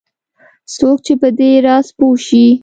څوک چې په دې راز پوه شي